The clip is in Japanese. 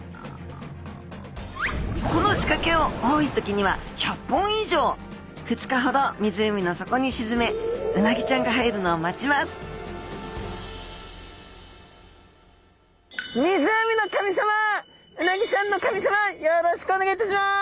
この仕掛けを多い時には１００本以上２日ほど湖の底にしずめうなぎちゃんが入るのを待ちますお願いします。